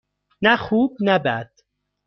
نه خوب - نه بد.